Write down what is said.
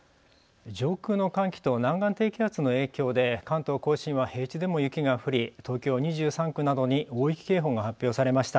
上空の寒気と南岸低気圧の影響で関東・甲信は平地でも雪が降り東京２３区などに大雪警報が発表されました。